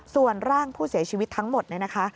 ส่วนร่างผู้เสียชีวิตทั้งหมดเนี่ยนะคะ